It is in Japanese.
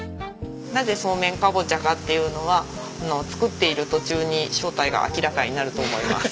なぜそうめんカボチャかっていうのは作っている途中に正体が明らかになると思います。